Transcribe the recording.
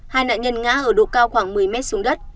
hai nạn nhân ngã ở độ cao khoảng một mươi mét xuống đất